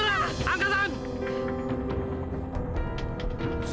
aduh merah angkat tangan